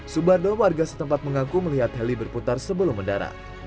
subardo warga setempat mengaku melihat heli berputar sebelum mendarat